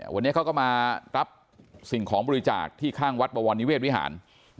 วันนี้เขาก็มารับสิ่งของบริจาคที่ข้างวัดบวรนิเวศวิหาร